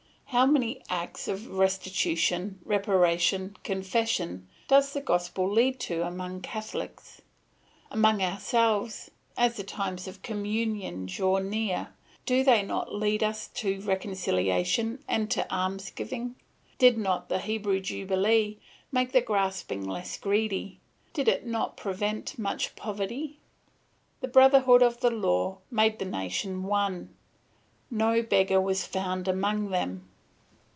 How many acts of restitution, reparation, confession does the gospel lead to among Catholics! Among ourselves, as the times of communion draw near, do they not lead us to reconciliation and to alms giving? Did not the Hebrew Jubilee make the grasping less greedy, did it not prevent much poverty? The brotherhood of the Law made the nation one; no beggar was found among them.